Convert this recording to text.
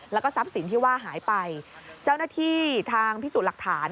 แล้วก็ทรัพย์สินที่ว่าหายไปเจ้าหน้าที่ทางพิสูจน์หลักฐาน